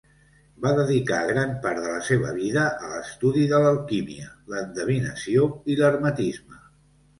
Va dedicar gran part de la seva vida a l'estudi de l'alquímia, l'endevinació i l'hermetisme.